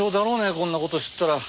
こんな事知ったら。